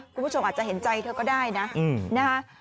คุณผู้ชมอาจจะเห็นใจเธอก็ได้นะนะคะ